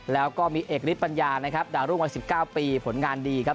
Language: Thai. แล้วก็มีเอกฤทธปัญญานะครับดาวรุ่งวัย๑๙ปีผลงานดีครับ